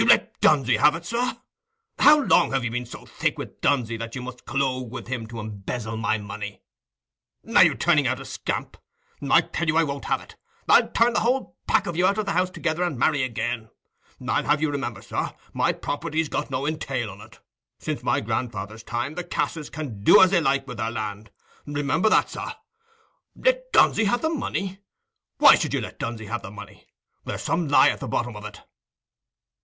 "You let Dunsey have it, sir? And how long have you been so thick with Dunsey that you must collogue with him to embezzle my money? Are you turning out a scamp? I tell you I won't have it. I'll turn the whole pack of you out of the house together, and marry again. I'd have you to remember, sir, my property's got no entail on it;—since my grandfather's time the Casses can do as they like with their land. Remember that, sir. Let Dunsey have the money! Why should you let Dunsey have the money? There's some lie at the bottom of it."